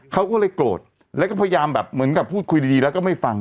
เขาก็เลยโกรธแล้วก็พยายามแบบเหมือนกับพูดคุยดีแล้วก็ไม่ฟัง